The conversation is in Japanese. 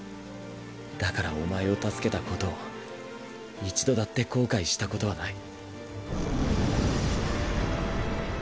だからお前を助けたことを一度だって後悔したことはない。